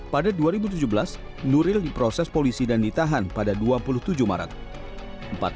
pada dua ribu tujuh belas nuril diproses polisi dan ditahan pada dua puluh tujuh maret